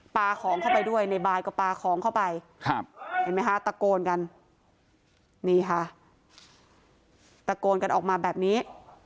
ปลาของเข้าไปด้วยในบ้านก็ปลาของเข้าไปตะโกนกันออกมาแบบนี้